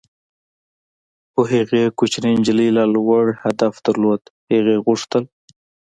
خو هغې کوچنۍ نجلۍ لا لوړ هدف درلود - هغې غوښتل.